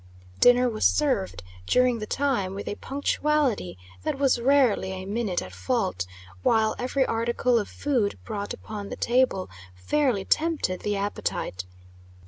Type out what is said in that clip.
Dinner was served, during the time, with a punctuality that was rarely a minute at fault, while every article of food brought upon the table, fairly tempted the appetite.